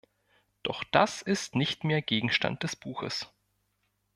Doch das ist nicht mehr Gegenstand des Buches.